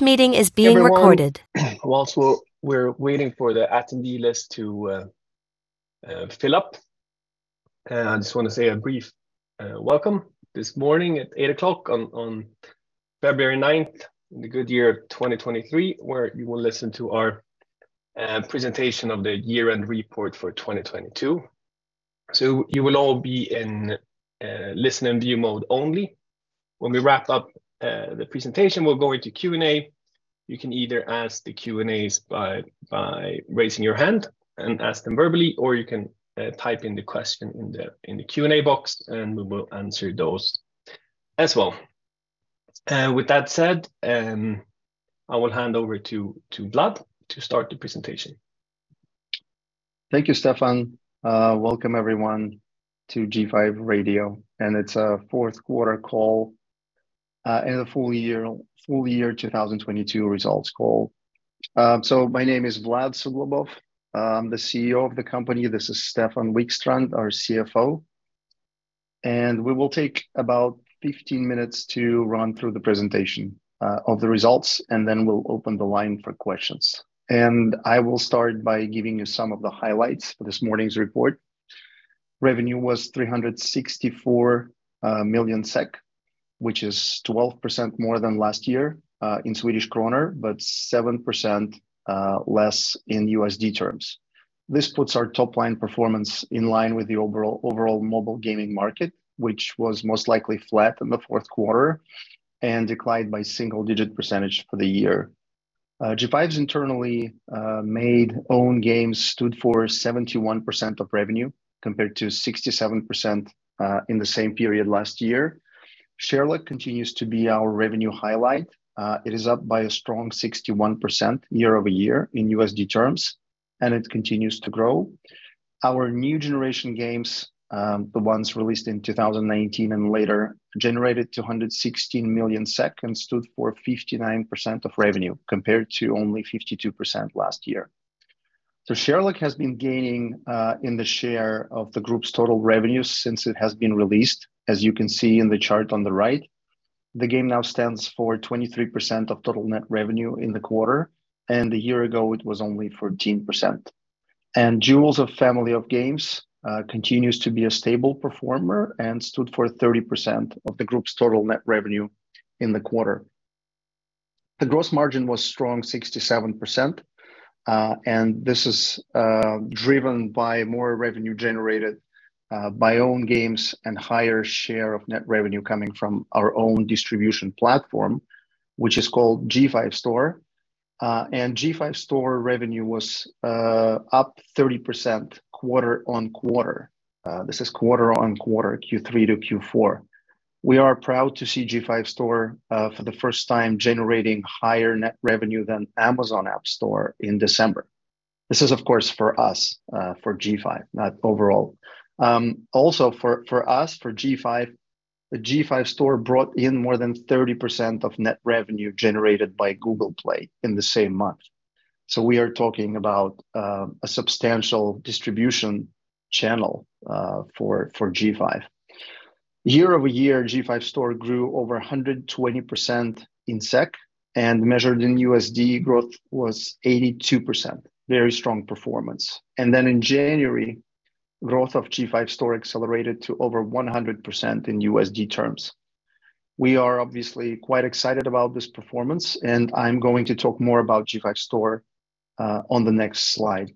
Everyone, whilst we're waiting for the attendee list to fill up, I just want to say a brief welcome this morning at 8:00 A.M. on February 9th, in the good year of 2023, where you will listen to our presentation of the year-end report for 2022. You will all be in listen and view mode only. When we wrap up the presentation, we'll go into Q&A. You can either ask the Q&As by raising your hand and ask them verbally, or you can type in the question in the Q&A box, and we will answer those as well. With that said, I will hand over to Vlad to start the presentation. Thank you, Stefan. Welcome everyone to G5 radio, it's our fourth quarter call, the full year 2022 results call. My name is Vlad Suglobov. I'm the CEO of the company. This is Stefan Wikstrand, our CFO. We will take about 15 minutes to run through the presentation of the results, then we'll open the line for questions. I will start by giving you some of the highlights for this morning's report. Revenue was 364 million SEK, which is 12% more than last year in Swedish krona, 7% less in USD terms. This puts our top-line performance in line with the overall mobile gaming market, which was most likely flat in the fourth quarter and declined by single-digit percentage for the year. G5's internally made own games stood for 71% of revenue, compared to 67% in the same period last year. Sherlock continues to be our revenue highlight. It is up by a strong 61% year-over-year in USD terms, and it continues to grow. Our new generation games, the ones released in 2019 and later, generated 216 million and stood for 59% of revenue, compared to only 52% last year. Sherlock has been gaining in the share of the group's total revenue since it has been released, as you can see in the chart on the right. The game now stands for 23% of total net revenue in the quarter, and a year ago it was only 14%. Jewels of Family of Games continues to be a stable performer and stood for 30% of the group's total net revenue in the quarter. The gross margin was strong 67%, and this is driven by more revenue generated by own games and higher share of net revenue coming from our own distribution platform, which is called G5 Store. G5 Store revenue was up 30% quarter-on-quarter. This is quarter-on-quarter, Q3 to Q4. We are proud to see G5 Store for the first time generating higher net revenue than Amazon Appstore in December. This is, of course, for us, for G5, not overall. Also for us, for G5, the G5 Store brought in more than 30% of net revenue generated by Google Play in the same month. We are talking about a substantial distribution channel for G5. Year-over-year, G5 Store grew over 120% in SEK, and measured in USD growth was 82%. Very strong performance. In January, growth of G5 Store accelerated to over 100% in USD terms. We are obviously quite excited about this performance, and I'm going to talk more about G5 Store on the next slide.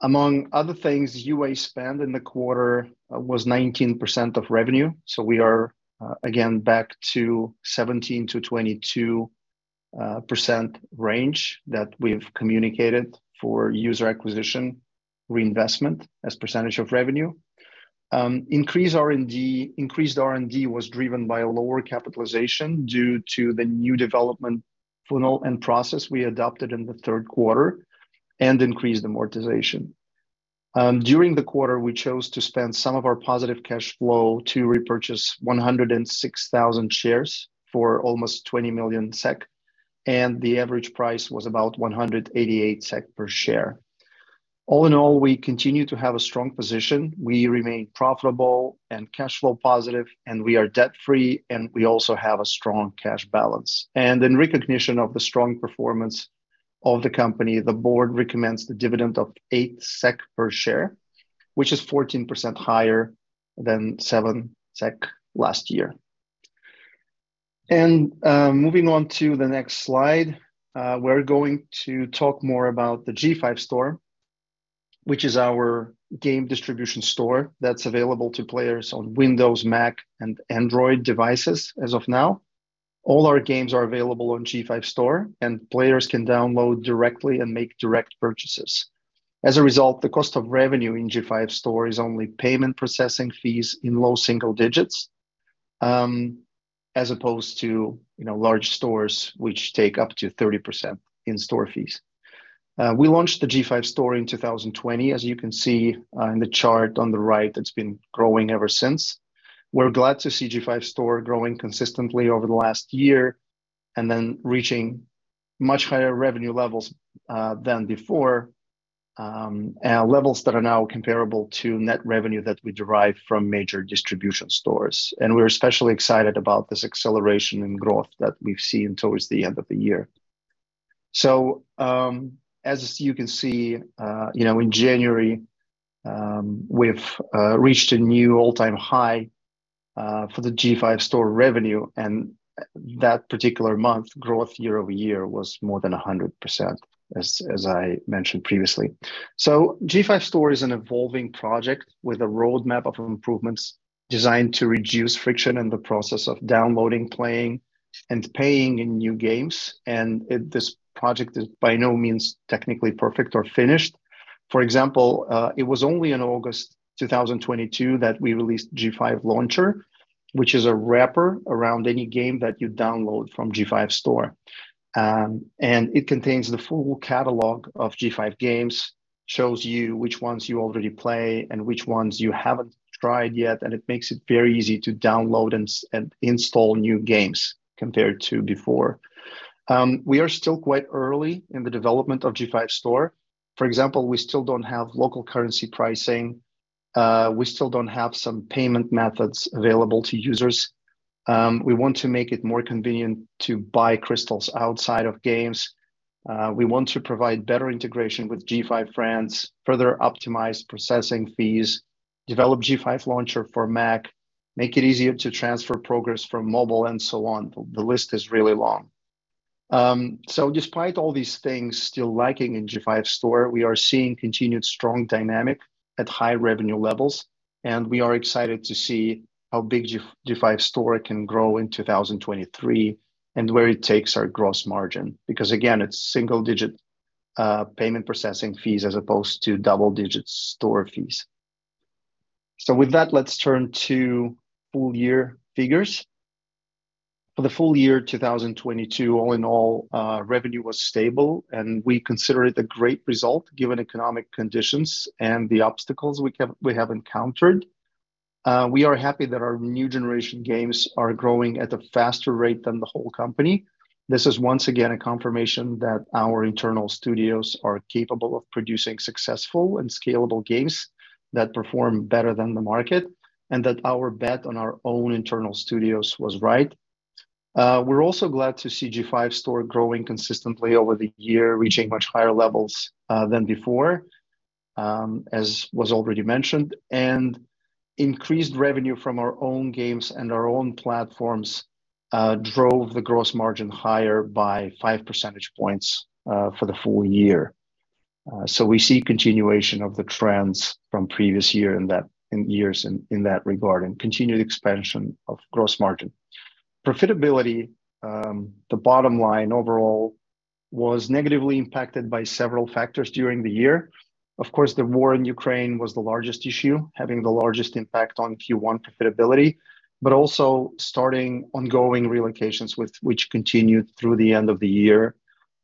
Among other things, UA spend in the quarter was 19% of revenue. We are again back to 17%-22% range that we've communicated for user acquisition reinvestment as percentage of revenue. Increased R&D was driven by a lower capitalization due to the new development funnel and process we adopted in the third quarter and increased amortization. During the quarter, we chose to spend some of our positive cash flow to repurchase 106,000 shares for almost 20 million SEK, and the average price was about 188 SEK per share. All in all, we continue to have a strong position. We remain profitable and cash flow positive, and we are debt-free, and we also have a strong cash balance. In recognition of the strong performance of the company, the board recommends the dividend of 8 SEK per share, which is 14% higher than 7 SEK last year. Moving on to the next slide, we're going to talk more about the G5 Store, which is our game distribution store that's available to players on Windows, Mac, and Android devices as of now. All our games are available on G5 Store, and players can download directly and make direct purchases. As a result, the cost of revenue in G5 Store is only payment processing fees in low single digits, as opposed to, you know, large stores which take up to 30% in store fees. We launched the G5 Store in 2020. As you can see, in the chart on the right, it's been growing ever since. We're glad to see G5 Store growing consistently over the last year and then reaching much higher revenue levels than before, and levels that are now comparable to net revenue that we derive from major distribution stores. We're especially excited about this acceleration in growth that we've seen towards the end of the year. As you can see, you know, in January, we've reached a new all-time high for the G5 Store revenue, and that particular month growth year-over-year was more than 100% as I mentioned previously. G5 Store is an evolving project with a roadmap of improvements designed to reduce friction in the process of downloading, playing, and paying in new games. This project is by no means technically perfect or finished. For example, it was only in August 2022 that we released G5 Launcher, which is a wrapper around any game that you download from G5 Store. It contains the full catalog of G5 games, shows you which ones you already play and which ones you haven't tried yet, and it makes it very easy to download and install new games compared to before. We are still quite early in the development of G5 Store. For example, we still don't have local currency pricing. We still don't have some payment methods available to users. We want to make it more convenient to buy crystals outside of games. We want to provide better integration with G5 Friends, further optimize processing fees, develop G5 Launcher for Mac, make it easier to transfer progress from mobile, and so on. The list is really long. Despite all these things still lacking in G5 Store, we are seeing continued strong dynamic at high revenue levels, and we are excited to see how big G5 Store can grow in 2023, and where it takes our gross margin, because again, it's single-digit payment processing fees as opposed to double-digit store fees. With that, let's turn to full year figures. For the full year 2022, all in all, revenue was stable, and we consider it a great result given economic conditions and the obstacles we have encountered. We are happy that our new generation games are growing at a faster rate than the whole company. This is once again a confirmation that our internal studios are capable of producing successful and scalable games that perform better than the market, and that our bet on our own internal studios was right. We're also glad to see G5 Store growing consistently over the year, reaching much higher levels than before, as was already mentioned. Increased revenue from our own games and our own platforms drove the gross margin higher by five percentage points for the full year. We see continuation of the trends from previous year in that regard and continued expansion of gross margin. Profitability, the bottom line overall was negatively impacted by several factors during the year. Of course, the war in Ukraine was the largest issue, having the largest impact on Q1 profitability, but also starting ongoing relocations which continued through the end of the year.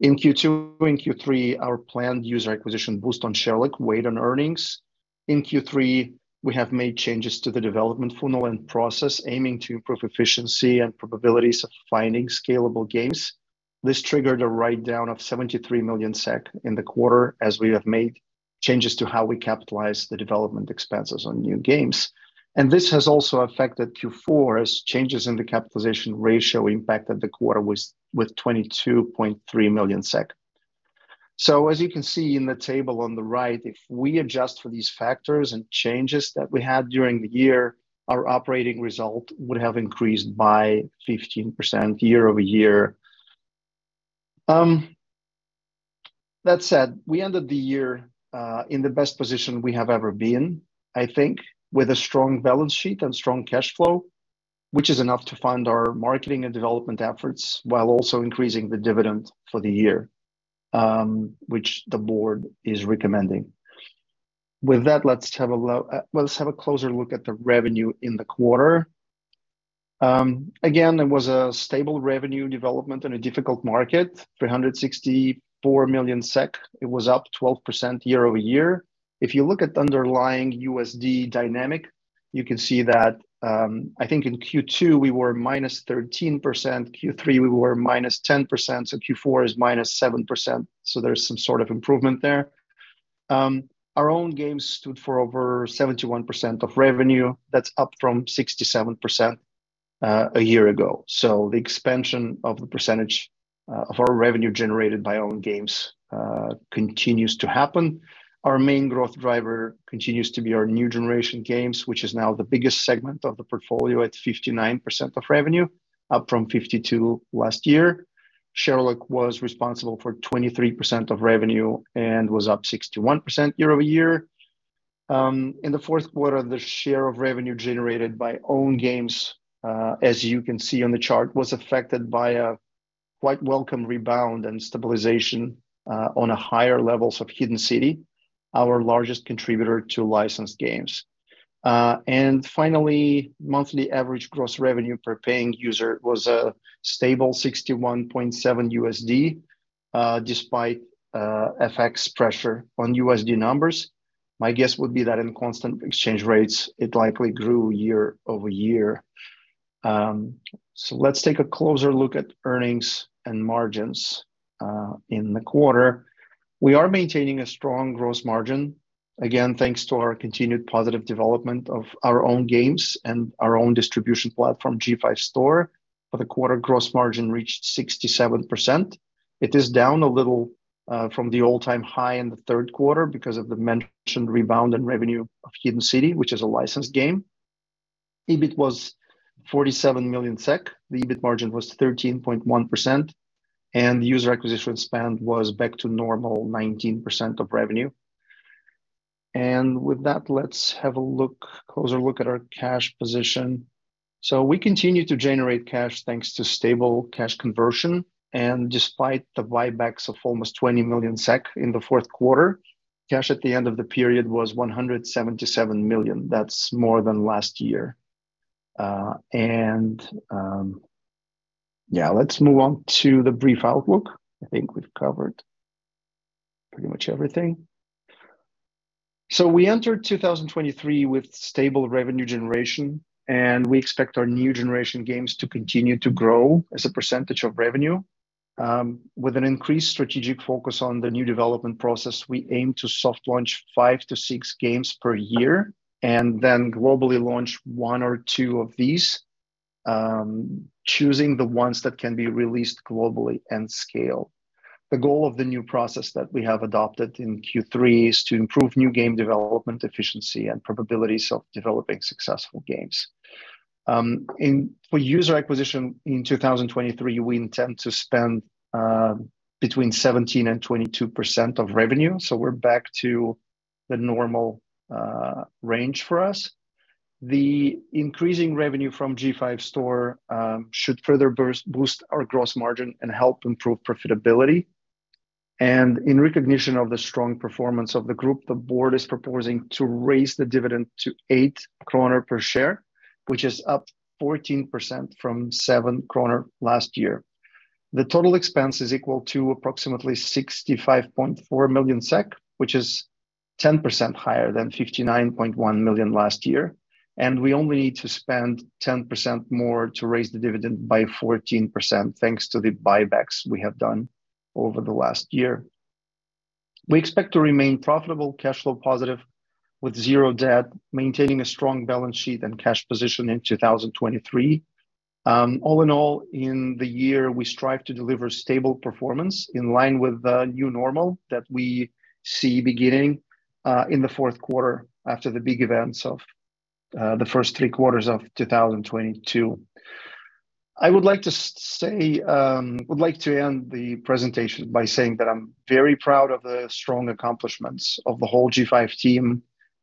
In Q2 and Q3, our planned user acquisition boost on Sherlock weighed on earnings. In Q3, we have made changes to the development funnel and process aiming to improve efficiency and probabilities of finding scalable games. This triggered a write-down of 73 million SEK in the quarter as we have made changes to how we capitalize the development expenses on new games. This has also affected Q4 as changes in the capitalization ratio impacted the quarter with 22.3 million SEK. As you can see in the table on the right, if we adjust for these factors and changes that we had during the year, our operating result would have increased by 15% year-over-year. That said, we ended the year in the best position we have ever been, I think, with a strong balance sheet and strong cash flow, which is enough to fund our marketing and development efforts while also increasing the dividend for the year, which the board is recommending. Let's have a closer look at the revenue in the quarter. Again, there was a stable revenue development in a difficult market, 364 million SEK. It was up 12% year-over-year. If you look at underlying USD dynamic, you can see that, I think in Q2 we were minus 13%, Q3 we were minus 10%, Q4 is minus 7%, there's some sort of improvement there. Our own games stood for over 71% of revenue. That's up from 67%, a year ago. The expansion of the percentage of our revenue generated by own games continues to happen. Our main growth driver continues to be our new generation games, which is now the biggest segment of the portfolio at 59% of revenue, up from 52% last year. Sherlock was responsible for 23% of revenue and was up 61% year-over-year. In the fourth quarter, the share of revenue generated by own games, as you can see on the chart, was affected by a quite welcome rebound and stabilization on a higher levels of Hidden City, our largest contributor to licensed games. Finally, monthly average gross revenue per paying user was a stable $61.7, despite FX pressure on USD numbers. My guess would be that in constant exchange rates, it likely grew year-over-year. Let's take a closer look at earnings and margins in the quarter. We are maintaining a strong gross margin, again, thanks to our continued positive development of our own games and our own distribution platform, G5 Store. For the quarter, gross margin reached 67%. It is down a little from the all-time high in the third quarter because of the mentioned rebound in revenue of Hidden City, which is a licensed game. EBIT was 47 million SEK. The EBIT margin was 13.1%. User acquisition spend was back to normal, 19% of revenue. With that, let's have a closer look at our cash position. We continue to generate cash thanks to stable cash conversion. Despite the buybacks of almost 20 million SEK in the fourth quarter, cash at the end of the period was 177 million. That's more than last year. And, yeah, let's move on to the brief outlook. I think we've covered pretty much everything. We entered 2023 with stable revenue generation, and we expect our new generation games to continue to grow as a percentage of revenue. With an increased strategic focus on the new development process, we aim to soft launch five-six games per year and then globally launch one or two of these, choosing the ones that can be released globally and scale. The goal of the new process that we have adopted in Q3 is to improve new game development efficiency and probabilities of developing successful games. For user acquisition in 2023, we intend to spend between 17% and 22% of revenue, so we're back to the normal range for us. The increasing revenue from G5 Store should further boost our gross margin and help improve profitability. In recognition of the strong performance of the group, the board is proposing to raise the dividend to 8 kronor per share, which is up 14% from 7 kronor last year. The total expense is equal to approximately 65.4 million SEK, which is 10% higher than 59.1 million last year. We only need to spend 10% more to raise the dividend by 14% thanks to the buybacks we have done over the last year. We expect to remain profitable, cash flow positive with zero debt, maintaining a strong balance sheet and cash position in 2023. All in all, in the year, we strive to deliver stable performance in line with the new normal that we see beginning in the fourth quarter after the big events of the first three quarters of 2022. I would like to end the presentation by saying that I'm very proud of the strong accomplishments of the whole G5 team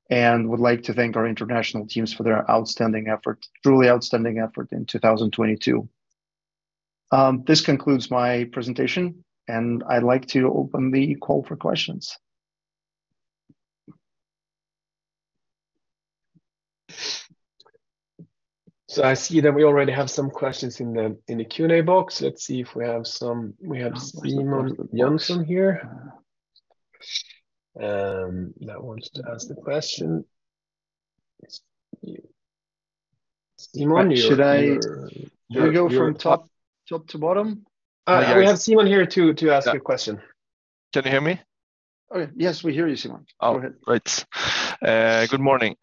and would like to thank our international teams for their outstanding effort, truly outstanding effort in 2022. This concludes my presentation. I'd like to open the call for questions. I see that we already have some questions in the Q&A box. Let's see if we have some. We have Simon Jönsson here that wants to ask the question. Simon, should I? Yeah. Do we go from top to bottom? Yes. We have Simon here to ask a question. Yeah. Can you hear me? Okay. Yes, we hear you, Simon. Go ahead. Oh, great. Good morning.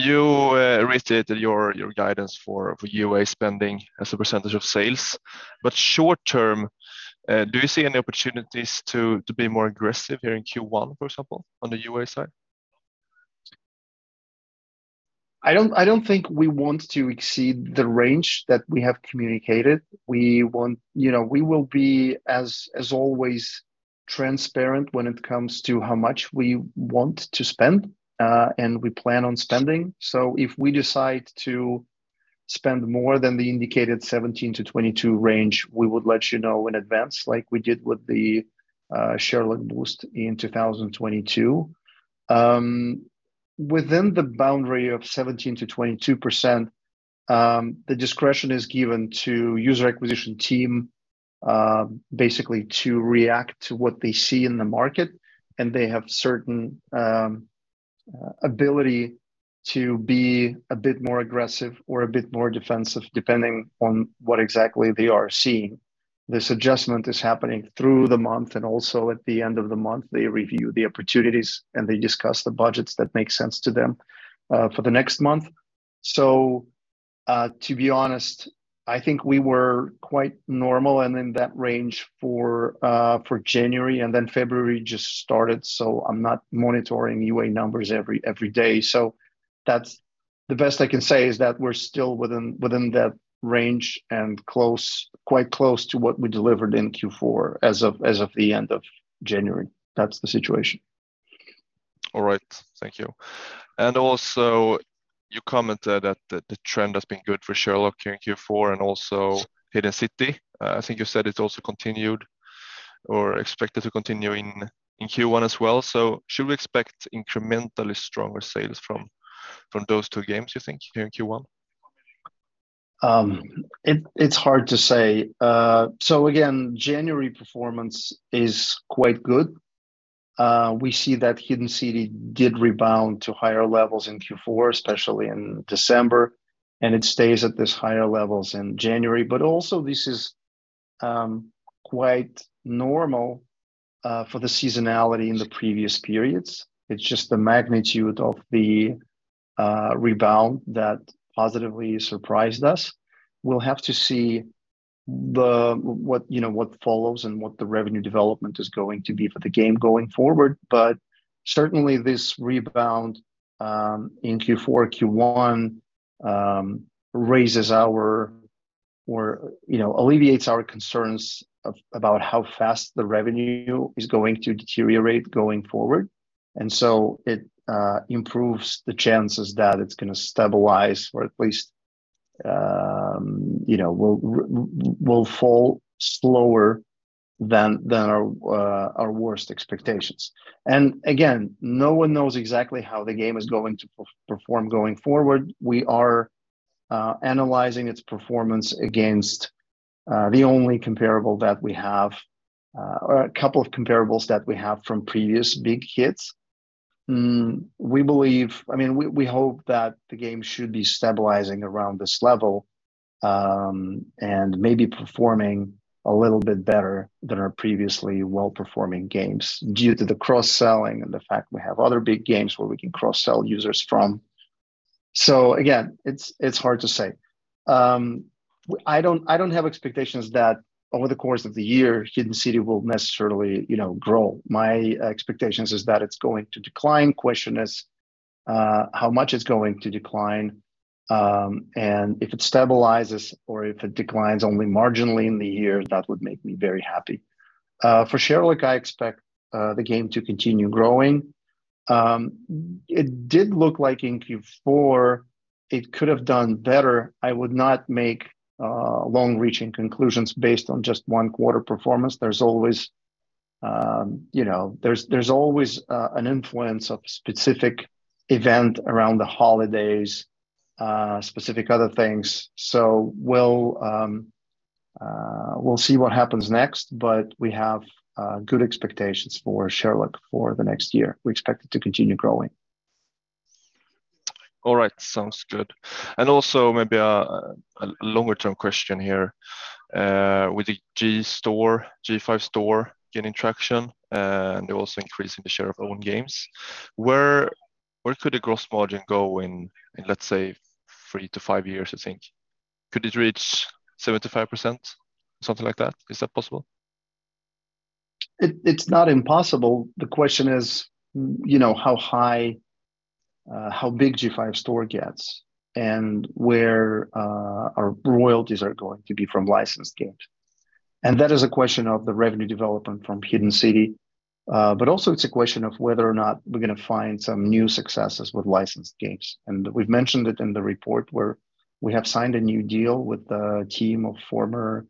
You restated your guidance for UA spending as a % of sales. Short-term, do you see any opportunities to be more aggressive here in Q1, for example, on the UA side? I don't think we want to exceed the range that we have communicated. We want. You know, we will be, as always, transparent when it comes to how much we want to spend and we plan on spending. If we decide to spend more than the indicated 17%-22% range, we would let you know in advance, like we did with the Sherlock boost in 2022. Within the boundary of 17%-22%, the discretion is given to user acquisition team, basically to react to what they see in the market, and they have certain ability to be a bit more aggressive or a bit more defensive, depending on what exactly they are seeing. This adjustment is happening through the month, and also at the end of the month, they review the opportunities, and they discuss the budgets that make sense to them, for the next month. To be honest, I think we were quite normal and in that range for January, and then February just started, so I'm not monitoring UA numbers every day. The best I can say is that we're still within that range and quite close to what we delivered in Q4 as of the end of January. That's the situation. All right. Thank you. Also, you commented that the trend has been good for Sherlock here in Q4 and also Hidden City. I think you said it also continued or expected to continue in Q1 as well. Should we expect incrementally stronger sales from those two games, you think, here in Q1? It, it's hard to say. January performance is quite good. We see that Hidden City did rebound to higher levels in Q4, especially in December, and it stays at this higher levels in January. This is quite normal for the seasonality in the previous periods. It's just the magnitude of the rebound that positively surprised us. We'll have to see what, you know, what follows and what the revenue development is going to be for the game going forward. Certainly this rebound in Q4, Q1, raises our or, you know, alleviates our concerns about how fast the revenue is going to deteriorate going forward. It improves the chances that it's gonna stabilize or at least, you know, will fall slower than our worst expectations. Again, no one knows exactly how the game is going to perform going forward. We are analyzing its performance against the only comparable that we have or a couple of comparables that we have from previous big hits. I mean, we hope that the game should be stabilizing around this level and maybe performing a little bit better than our previously well-performing games due to the cross-selling and the fact we have other big games where we can cross-sell users from. Again, it's hard to say. I don't have expectations that over the course of the year, Hidden City will necessarily, you know, grow. My expectations is that it's going to decline. Question is, how much it's going to decline, and if it stabilizes or if it declines only marginally in the year, that would make me very happy. For Sherlock, I expect the game to continue growing. It did look like in Q4 it could have done better. I would not make long-reaching conclusions based on just one quarter performance. There's always, you know, there's always an influence of specific event around the holidays, specific other things. We'll see what happens next, but we have good expectations for Sherlock for the next year. We expect it to continue growing. All right. Sounds good. Also maybe a longer term question here. With the G5 Store gaining traction, and also increasing the share of own games, where could the gross margin go in three-five years, I think? Could it reach 75%, something like that? Is that possible? It's not impossible. The question is, you know, how high, how big G5 Store gets and where our royalties are going to be from licensed games. That is a question of the revenue development from Hidden City. But also it's a question of whether or not we're gonna find some new successes with licensed games. We've mentioned it in the report where we have signed a new deal with the team of former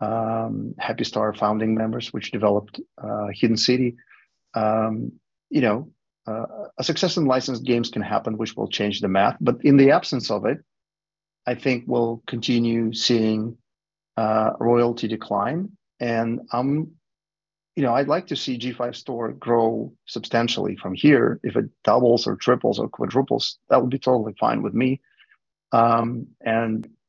Happy Star founding members, which developed Hidden City. You know, a success in licensed games can happen, which will change the math. In the absence of it, I think we'll continue seeing royalty decline. You know, I'd like to see G5 Store grow substantially from here. If it doubles or triples or quadruples, that would be totally fine with me.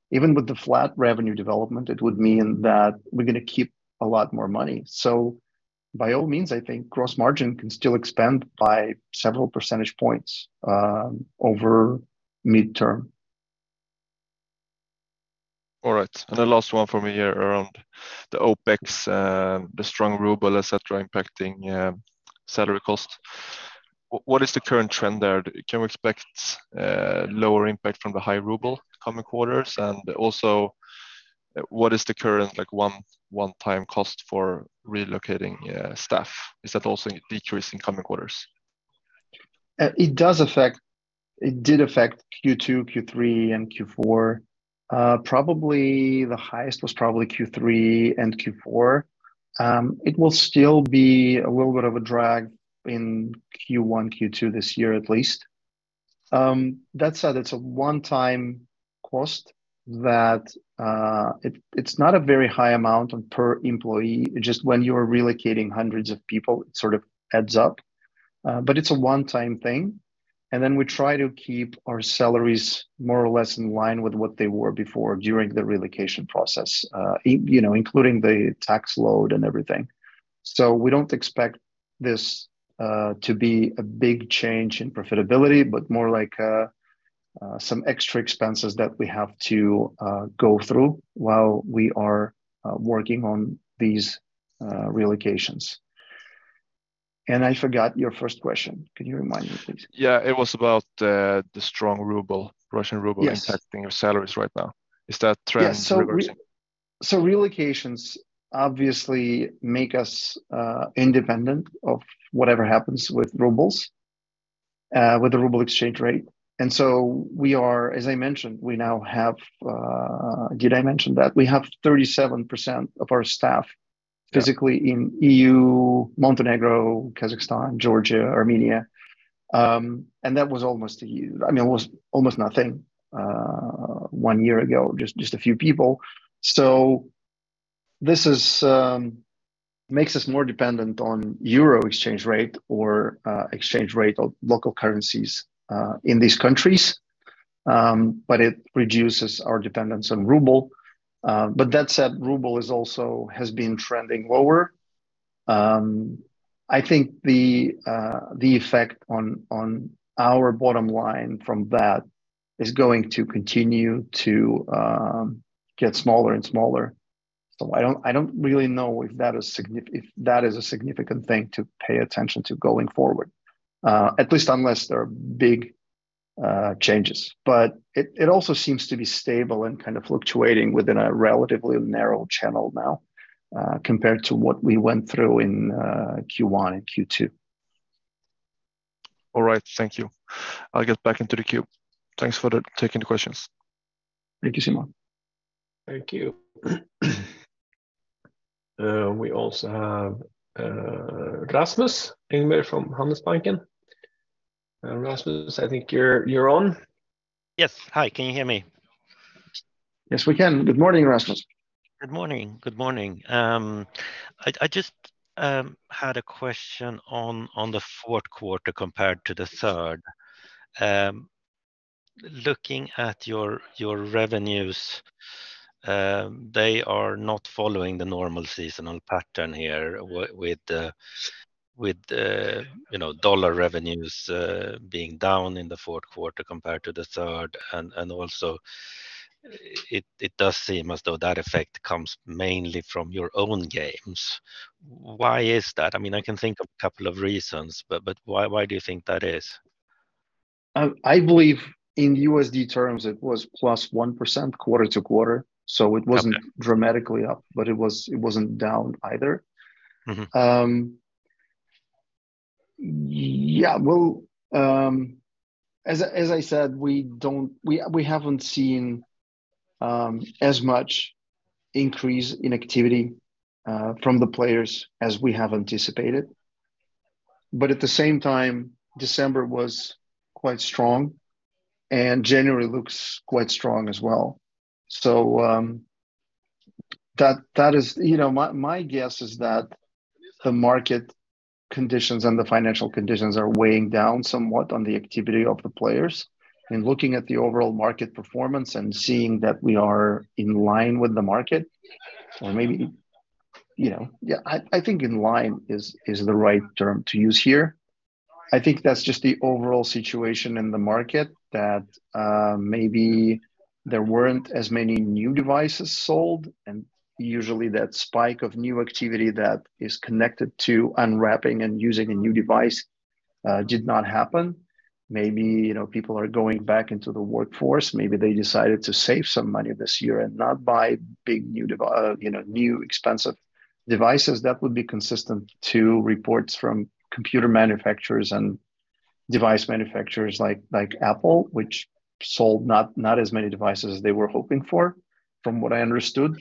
Even with the flat revenue development, it would mean that we're gonna keep a lot more money. By all means, I think gross margin can still expand by several percentage points over midterm. All right. The last one for me here around the OpEx, the strong ruble, et cetera, impacting salary cost. What is the current trend there? Can we expect lower impact from the high ruble coming quarters? What is the current one-time cost for relocating staff? Is that also decreasing coming quarters? It did affect Q2, Q3, and Q4. Probably the highest was probably Q3 and Q4. It will still be a little bit of a drag in Q1, Q2 this year at least. That said, it's a one-time cost that it's not a very high amount of per employee. Just when you are relocating hundreds of people, it sort of adds up. It's a one-time thing. We try to keep our salaries more or less in line with what they were before during the relocation process, in, you know, including the tax load and everything. We don't expect this to be a big change in profitability, but more like some extra expenses that we have to go through while we are working on these relocations.I forgot your first question. Can you remind me, please? Yeah. It was about the strong Russian ruble. Yes Impacting your salaries right now. Is that trend reversing? Yeah. Relocations obviously make us independent of whatever happens with ruble, with the ruble exchange rate. We are, as I mentioned, we now have. Did I mention that? We have 37% of our staff physically in E.U., Montenegro, Kazakhstan, Georgia, Armenia. That was almost one year. I mean, it was almost nothing, one year ago, just a few people. Makes us more dependent on euro exchange rate or exchange rate of local currencies in these countries. It reduces our dependence on ruble. That said, ruble has been trending lower. I think the effect on our bottom line from that is going to continue to get smaller and smaller. I don't really know if that is a significant thing to pay attention to going forward, at least unless there are big changes. It also seems to be stable and kind of fluctuating within a relatively narrow channel now, compared to what we went through in Q1 and Q2. All right. Thank you. I'll get back into the queue. Thanks for taking the questions. Thank you, Simon. Thank you. we also have, Rasmus Engberg from Handelsbanken. Rasmus, I think you're on. Yes. Hi, can you hear me? Yes, we can. Good morning, Rasmus. Good morning. Good morning. I just had a question on the fourth quarter compared to the third. Looking at your revenues, they are not following the normal seasonal pattern here with the, with the, you know, dollar revenues, being down in the fourth quarter compared to the third. Also it does seem as though that effect comes mainly from your own games. Why is that? I mean, I can think of a couple of reasons, but why do you think that is? I believe in USD terms, it was plus 1% quarter-over-quarter. Okay So it wasn't dramatically up, but it wasn't down either. Mm-hmm. Yeah. Well, as I said, we haven't seen as much increase in activity from the players as we have anticipated. At the same time, December was quite strong, and January looks quite strong as well. You know, my guess is that the market conditions and the financial conditions are weighing down somewhat on the activity of the players. Looking at the overall market performance and seeing that we are in line with the market or maybe, you know. Yeah, I think in line is the right term to use here. I think that's just the overall situation in the market that maybe there weren't as many new devices sold, and usually that spike of new activity that is connected to unwrapping and using a new device did not happen. Maybe, you know, people are going back into the workforce. Maybe they decided to save some money this year and not buy big new you know, new expensive devices that would be consistent to reports from computer manufacturers and device manufacturers like Apple, which sold not as many devices as they were hoping for, from what I understood.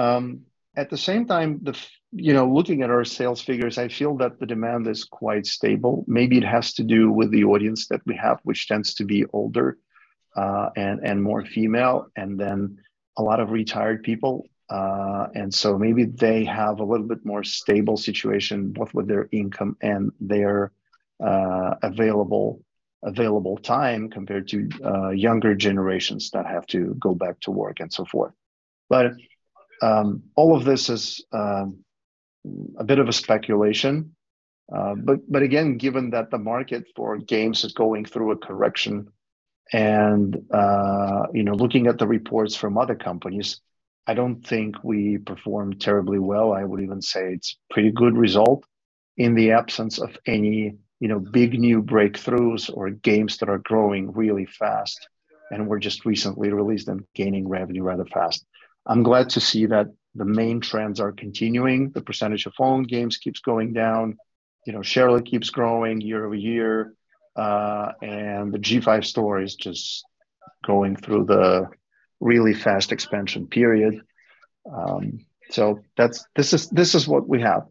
At the same time, you know, looking at our sales figures, I feel that the demand is quite stable. Maybe it has to do with the audience that we have, which tends to be older, and more female, and then a lot of retired people. Maybe they have a little bit more stable situation both with their income and their available time compared to younger generations that have to go back to work and so forth. All of this is a bit of a speculation. Again, given that the market for games is going through a correction and, you know, looking at the reports from other companies, I don't think we performed terribly well. I would even say it's pretty good result in the absence of any, you know, big new breakthroughs or games that are growing really fast and were just recently released and gaining revenue rather fast. I'm glad to see that the main trends are continuing. The percentage of phone games keeps going down. You know, Sherlock keeps growing year-over-year. The G5 Store is just going through the really fast expansion period. This is what we have.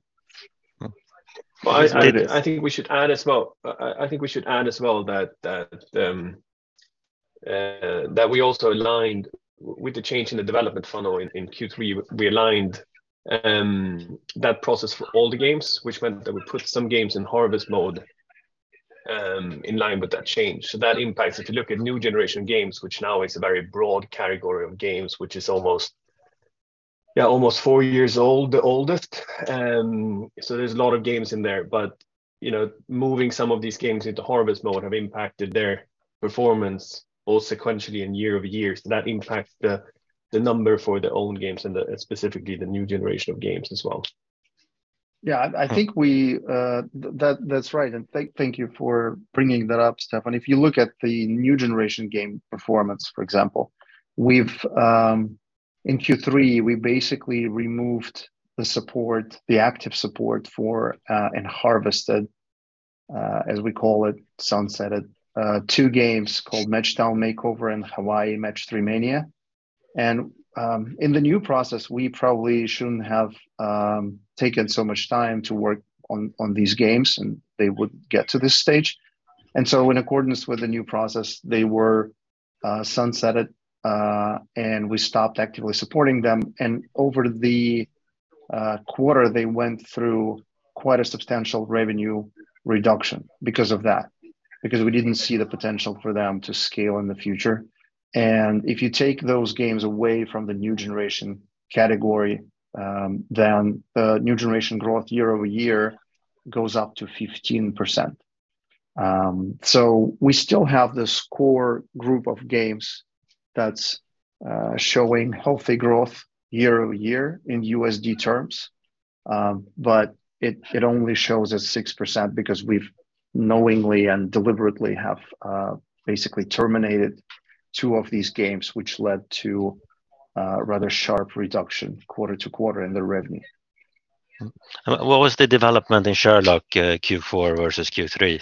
Well, I think we should add as well that we also aligned with the change in the development funnel in Q3, we aligned that process for all the games, which meant that we put some games in harvest mode, in line with that change. That impacts if you look at new generation games, which now is a very broad category of games, which is almost four years old, the oldest. There's a lot of games in there. You know, moving some of these games into harvest mode have impacted their performance both sequentially and year-over-year. That impacts the number for the own games and specifically the new generation of games as well. Yeah. I think we, that's right, and thank you for bringing that up, Stefan. If you look at the new generation game performance, for example, we've in Q3, we basically removed the support, the active support for, and harvested as we call it, sunsetted, two games called Match Town Makeover and Hawaii Match-3 Mania. In the new process, we probably shouldn't have taken so much time to work on these games and they would get to this stage. In accordance with the new process, they were sunsetted, and we stopped actively supporting them. Over the quarter, they went through quite a substantial revenue reduction because of that, because we didn't see the potential for them to scale in the future. If you take those games away from the new generation category, then the new generation growth year-over-year goes up to 15%. We still have this core group of games that's showing healthy growth year-over-year in USD terms. It only shows as 6% because we've knowingly and deliberately have basically terminated two of these games, which led to a rather sharp reduction quarter-to-quarter in the revenue. What was the development in Sherlock, Q4 versus Q3?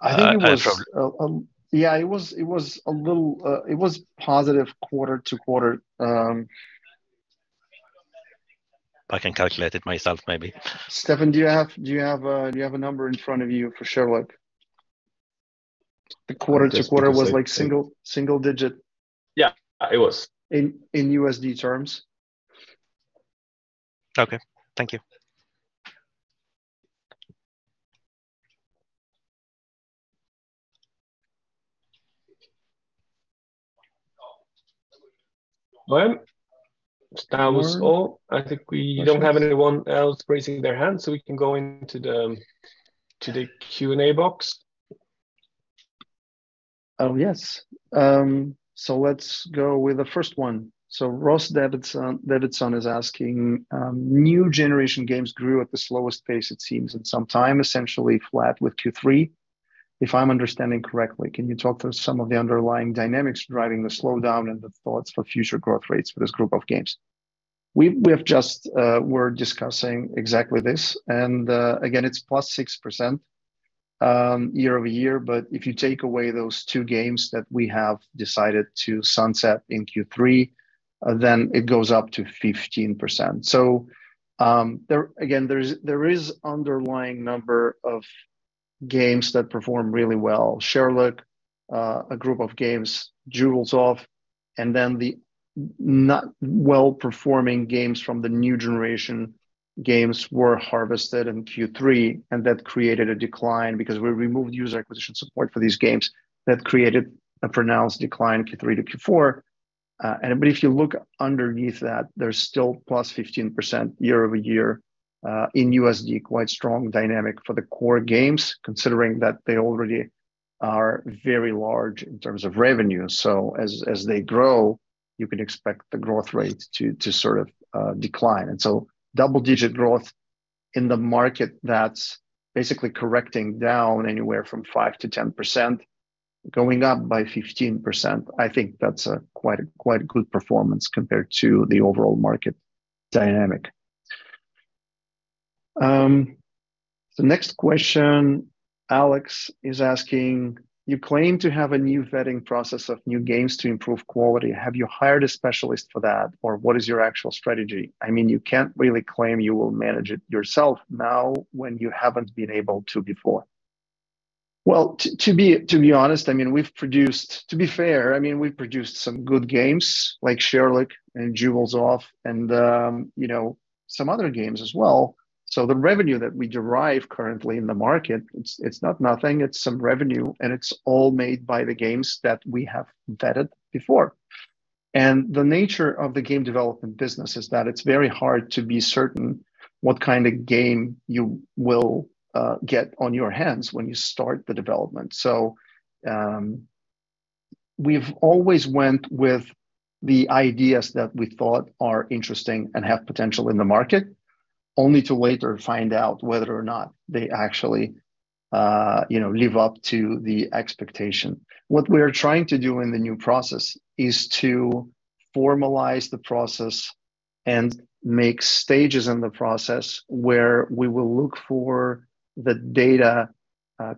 I think it was- I assume- Yeah, it was a little, it was positive quarter-over-quarter. I can calculate it myself maybe. Stefan, do you have a number in front of you for Sherlock? The quarter-to-quarter was like single digit- Yeah. It was in USD terms. Okay. Thank you. Well, that was all. I think we don't have anyone else raising their hand, so we can go into the Q&A box. Oh, yes. Let's go with the first one. Ross Davidson is asking, "New generation games grew at the slowest pace it seems in some time, essentially flat with Q3, if I'm understanding correctly. Can you talk to some of the underlying dynamics driving the slowdown and the thoughts for future growth rates for this group of games?" We're discussing exactly this, again, it's +6% year-over-year. If you take away those two games that we have decided to sunset in Q3, it goes up to 15%. There, again, there is underlying number of games that perform really well. Sherlock, a group of games, Jewels of, and then the not well-performing games from the new generation games were harvested in Q3, and that created a decline because we removed user acquisition support for these games that created a pronounced decline Q3 to Q4. But if you look underneath that, there's still +15% year-over-year in USD, quite strong dynamic for the core games, considering that they already are very large in terms of revenue. As they grow, you can expect the growth rate to sort of decline. Double-digit growth in the market that's basically correcting down anywhere from 5%-10%, going up by 15%, I think that's a quite good performance compared to the overall market dynamic. The next question, Alex is asking, "You claim to have a new vetting process of new games to improve quality. Have you hired a specialist for that, or what is your actual strategy? I mean, you can't really claim you will manage it yourself now when you haven't been able to before." Well, to be honest, I mean, we've produced. To be fair, I mean, we've produced some good games like Sherlock and Jewels of and, you know, some other games as well. The revenue that we derive currently in the market, it's not nothing, it's some revenue, and it's all made by the games that we have vetted before. The nature of the game development business is that it's very hard to be certain what kind of game you will, get on your hands when you start the development. We've always went with the ideas that we thought are interesting and have potential in the market, only to later find out whether or not they actually, you know, live up to the expectation. What we are trying to do in the new process is to formalize the process and make stages in the process where we will look for the data,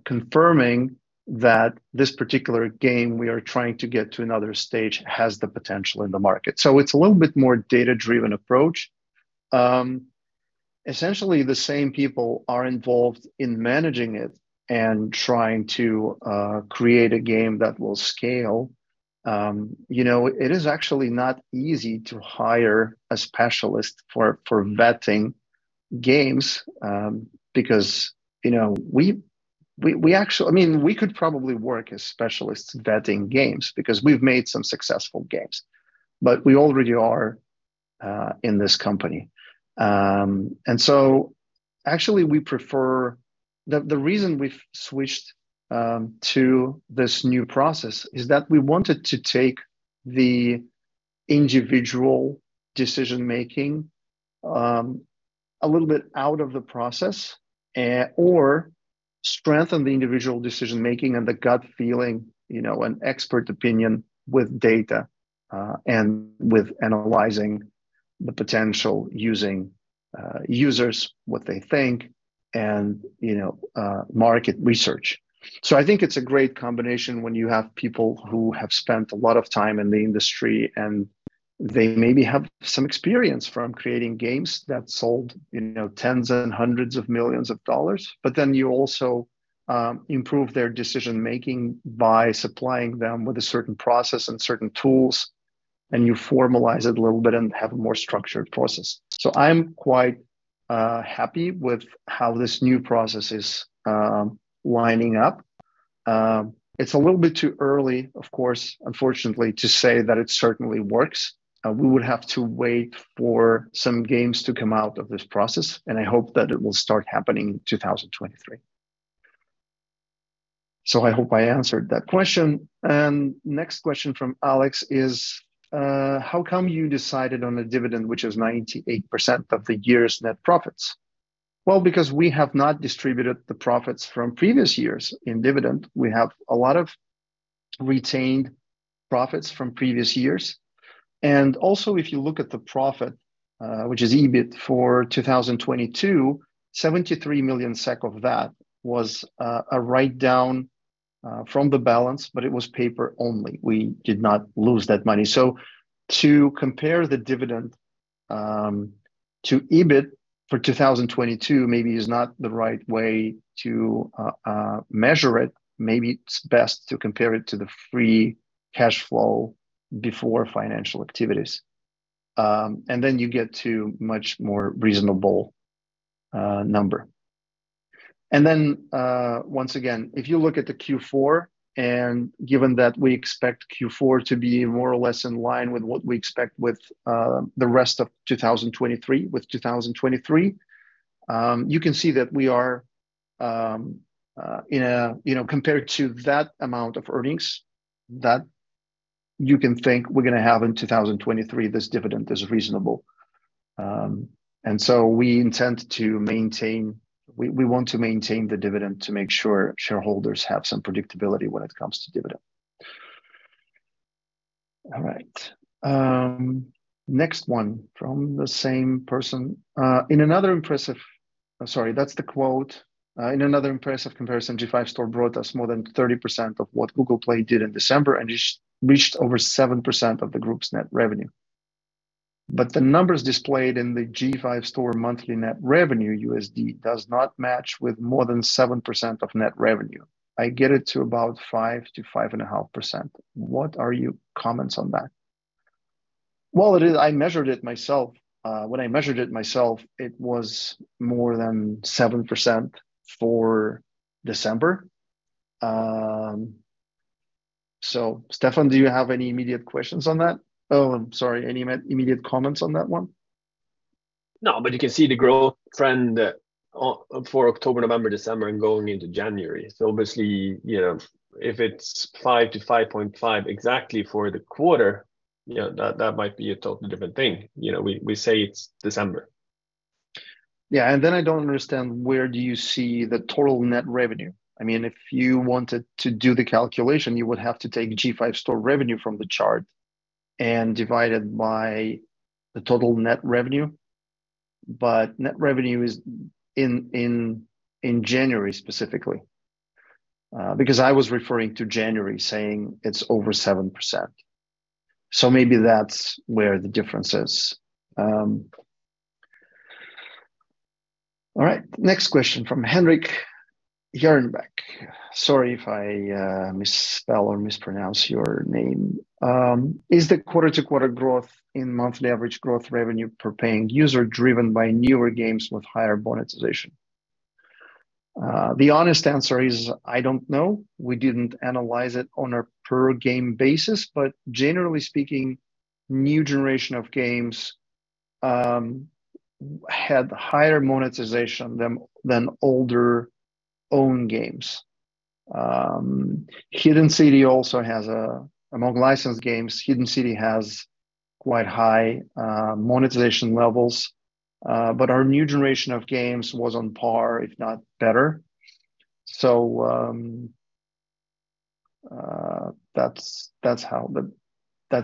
confirming that this particular game we are trying to get to another stage has the potential in the market. It's a little bit more data-driven approach. Essentially the same people are involved in managing it and trying to create a game that will scale. You know, it is actually not easy to hire a specialist for vetting games, because, you know, I mean, we could probably work as specialists vetting games because we've made some successful games, but we already are in this company. Actually, we prefer. The reason we've switched to this new process is that we wanted to take the individual decision-making a little bit out of the process or strengthen the individual decision-making and the gut feeling, you know, and expert opinion with data and with analyzing the potential using users what they think and, you know, market research. I think it's a great combination when you have people who have spent a lot of time in the industry, and they maybe have some experience from creating games that sold, you know, tens and hundreds of millions of dollars. You also improve their decision-making by supplying them with a certain process and certain tools, and you formalize it a little bit and have a more structured process. I'm quite happy with how this new process is lining up. It's a little bit too early, of course, unfortunately, to say that it certainly works. We would have to wait for some games to come out of this process, and I hope that it will start happening in 2023. I hope I answered that question. Next question from Alex is, how come you decided on a dividend which is 98% of the year's net profits? Well, because we have not distributed the profits from previous years in dividend. We have a lot of retained profits from previous years. If you look at the profit, which is EBIT for 2022, 73 million SEK of that was a write-down from the balance, but it was paper only. We did not lose that money. To compare the dividend to EBIT for 2022 maybe is not the right way to measure it. Maybe it's best to compare it to the free cash flow before financial activities. You get to much more reasonable number. Once again, if you look at the Q4, and given that we expect Q4 to be more or less in line with what we expect with the rest of 2023, you can see that we are. You know, compared to that amount of earnings that you can think we're gonna have in 2023, this dividend is reasonable. So we intend to maintain. We want to maintain the dividend to make sure shareholders have some predictability when it comes to dividend. All right. Next one from the same person. In another impressive comparison, G5 Store brought us more than 30% of what Google Play did in December and just reached over 7% of the group's net revenue. The numbers displayed in the G5 Store monthly net revenue USD does not match with more than 7% of net revenue. I get it to about 5%-5.5%. What are your comments on that? It is. I measured it myself. When I measured it myself, it was more than 7% for December. Stefan, do you have any immediate questions on that? I'm sorry, any immediate comments on that one? No, but you can see the growth trend for October, November, December, and going into January. Obviously, you know, if it's 5%-5.5% exactly for the quarter, you know, that might be a totally different thing. You know, we say it's December. Yeah. Then I don't understand where do you see the total net revenue? I mean, if you wanted to do the calculation, you would have to take G5 Store revenue from the chart and divide it by the total net revenue. Net revenue is in January specifically. Because I was referring to January saying it's over 7%. Maybe that's where the difference is. All right. Next question from Henrik Jernbeck. Sorry if I misspell or mispronounce your name. Is the quarter-to-quarter growth in monthly average growth revenue per paying user driven by newer games with higher monetization? The honest answer is I don't know. We didn't analyze it on a per game basis. Generally speaking, new generation of games had higher monetization than older own games. Hidden City also has among licensed games, Hidden City has quite high monetization levels. Our new generation of games was on par if not better. That's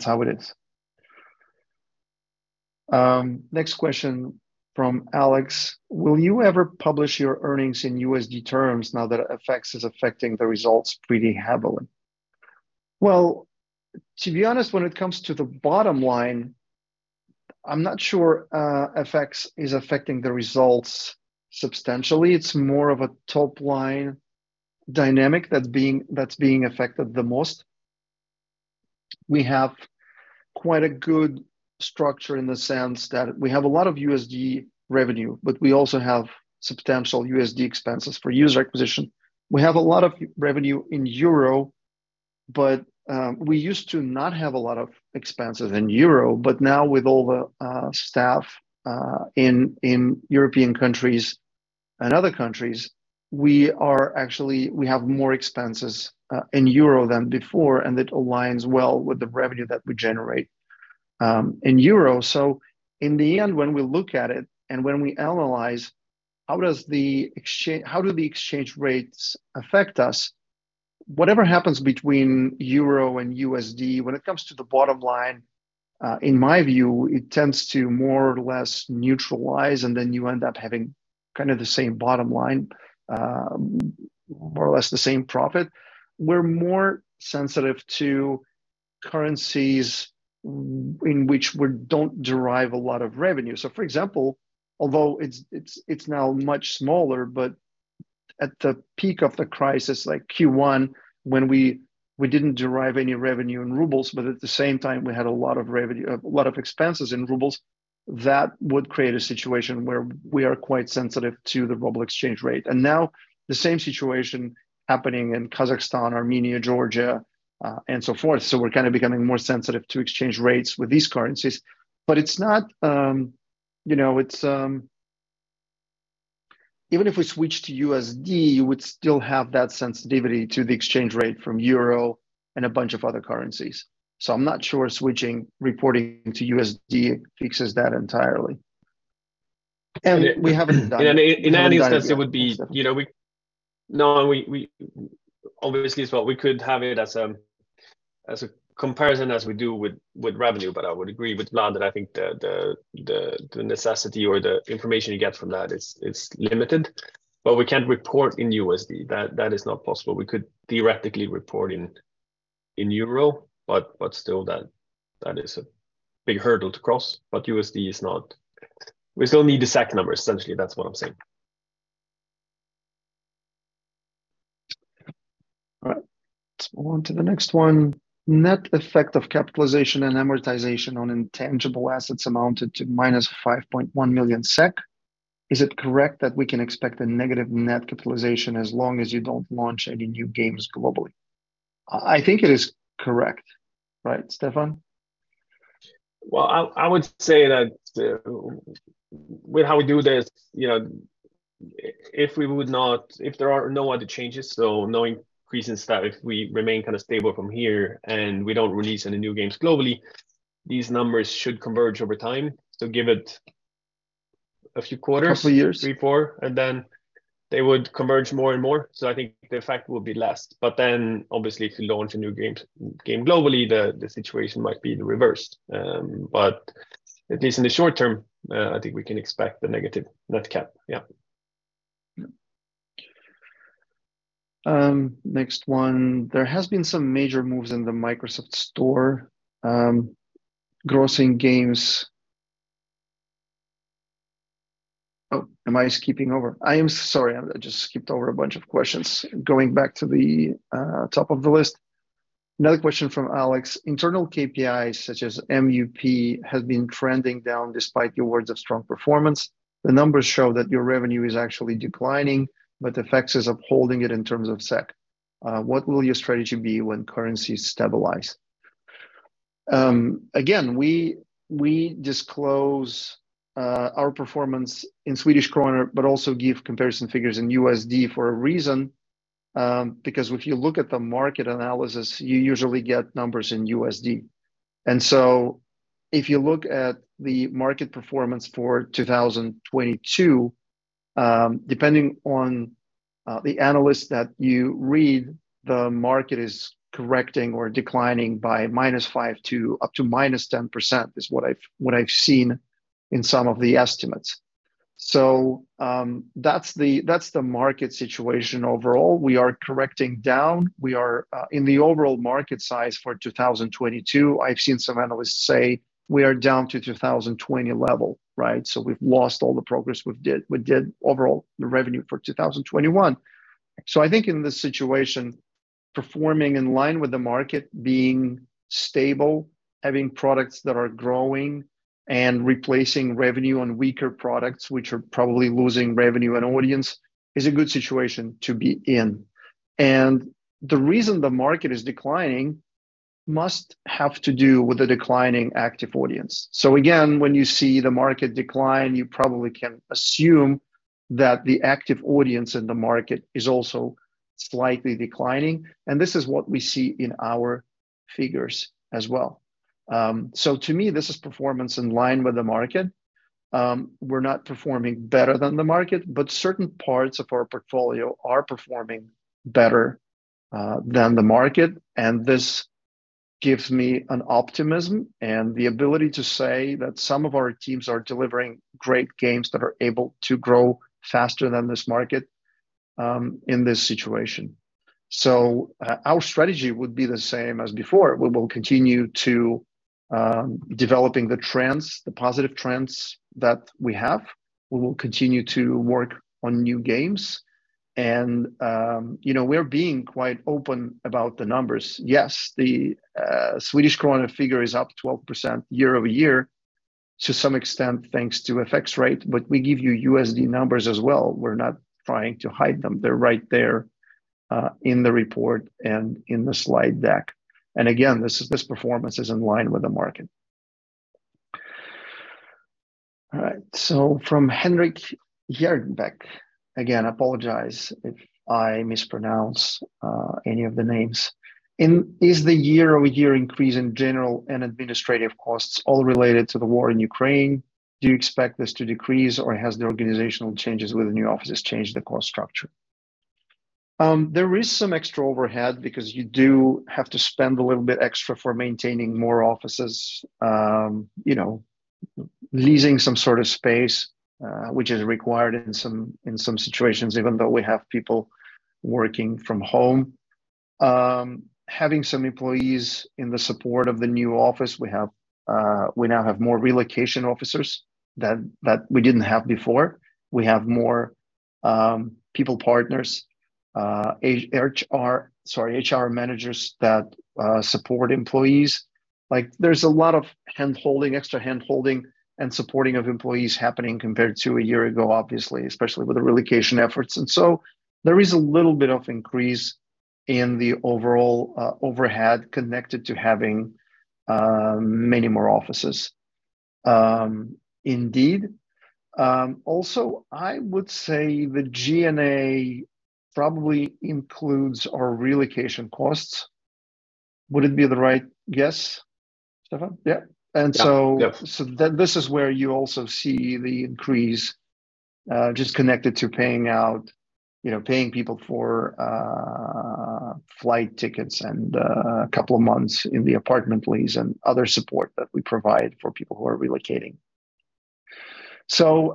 how it is. Next question from Alex: Will you ever publish your earnings in USD terms now that FX is affecting the results pretty heavily? Well, to be honest, when it comes to the bottom line, I'm not sure FX is affecting the results substantially. It's more of a top-line dynamic that's being affected the most. We have quite a good structure in the sense that we have a lot of USD revenue, but we also have substantial USD expenses for user acquisition. We have a lot of revenue in euro, but we used to not have a lot of expenses in euro. Now with all the staff in European countries and other countries, we are actually we have more expenses in euro than before, and it aligns well with the revenue that we generate in euro. In the end, when we look at it and when we analyze how do the exchange rates affect us. Whatever happens between euro and USD, when it comes to the bottom line, in my view, it tends to more or less neutralize, and you end up having kind of the same bottom line, more or less the same profit. We're more sensitive to currencies in which we don't derive a lot of revenue. For example, although it's now much smaller, but at the peak of the crisis like Q1 when we didn't derive any revenue in rubles, but at the same time we had a lot of expenses in rubles, that would create a situation where we are quite sensitive to the ruble exchange rate. Now the same situation happening in Kazakhstan, Armenia, Georgia, and so forth. We're kind of becoming more sensitive to exchange rates with these currencies. It's not, you know, it's... Even if we switch to USD, you would still have that sensitivity to the exchange rate from euro and a bunch of other currencies. I'm not sure switching reporting to USD fixes that entirely. We haven't done it. In any sense it would be, you know, we obviously as well, we could have it as a comparison as we do with revenue, but I would agree with Vlad that I think the necessity or the information you get from that is limited. We can't report in USD. That is not possible. We could theoretically report in euro, but still that is a big hurdle to cross, but USD is not. We still need the SEK number, essentially, that's what I'm saying. All right. Let's move on to the next one. Net effect of capitalization and amortization on intangible assets amounted to -5.1 million SEK. Is it correct that we can expect a negative net capitalization as long as you don't launch any new games globally? I think it is correct, right, Stefan? I would say that with how we do this, you know, if there are no other changes, so no increase in staff, if we remain kind of stable from here and we don't release any new games globally, these numbers should converge over time. Give it a few quarters. A couple years... 3, 4, and then they would converge more and more. I think the effect will be less. Obviously if you launch a new game globally, the situation might be the reverse. At least in the short term, I think we can expect the negative net cap. Next one. There has been some major moves in the Microsoft Store, grossing games. Oh, am I skipping over? I am sorry. I just skipped over a bunch of questions. Going back to the top of the list. Another question from Alex. Internal KPIs such as MUP has been trending down despite your words of strong performance. The numbers show that your revenue is actually declining, FX is upholding it in terms of SEK. What will your strategy be when currencies stabilize? Again, we disclose our performance in Swedish Krona, but also give comparison figures in USD for a reason, if you look at the market analysis, you usually get numbers in USD. If you look at the market performance for 2022, depending on the analyst that you read, the market is correcting or declining by -5% to -10% is what I've seen in some of the estimates. That's the market situation overall. We are correcting down. We are in the overall market size for 2022, I've seen some analysts say we are down to 2020 level, right? We've lost all the progress we did overall the revenue for 2021. I think in this situation, performing in line with the market, being stable, having products that are growing and replacing revenue on weaker products, which are probably losing revenue and audience, is a good situation to be in. The reason the market is declining must have to do with the declining active audience. Again, when you see the market decline, you probably can assume that the active audience in the market is also slightly declining, and this is what we see in our figures as well. To me, this is performance in line with the market. We're not performing better than the market, but certain parts of our portfolio are performing better than the market, and this gives me an optimism and the ability to say that some of our teams are delivering great games that are able to grow faster than this market in this situation. Our strategy would be the same as before. We will continue to developing the trends, the positive trends that we have. We will continue to work on new games, you know, we're being quite open about the numbers. Yes, the Swedish krona figure is up 12% year-over-year to some extent thanks to FX rate, but we give you USD numbers as well. We're not trying to hide them. They're right there in the report and in the slide deck. Again, this performance is in line with the market. All right. From Henrik Jernbeck. Again, apologize if I mispronounce any of the names. Is the year-over-year increase in general and administrative costs all related to the war in Ukraine? Do you expect this to decrease or has the organizational changes with the new offices changed the cost structure? There is some extra overhead because you do have to spend a little bit extra for maintaining more offices, you know, leasing some sort of space, which is required in some situations even though we have people working from home. Having some employees in the support of the new office, we now have more relocation officers that we didn't have before. We have more people partners, HR managers that support employees. Like, there's a lot of extra hand-holding and supporting of employees happening compared to a year ago, obviously, especially with the relocation efforts. There is a little bit of increase in the overall overhead connected to having many more offices. Indeed, also, I would say the G&A probably includes our relocation costs. Would it be the right guess, Stefan? Yeah. Yeah. Yeah. This is where you also see the increase just connected to paying out, you know, paying people for flight tickets and a couple of months in the apartment lease and other support that we provide for people who are relocating.